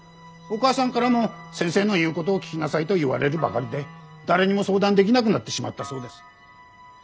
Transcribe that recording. お母さんからも「先生の言うことを聞きなさい」と言われるばかりで誰にも相談できなくなってしまったそうです。